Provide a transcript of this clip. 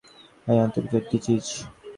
এটা unpredictable disease.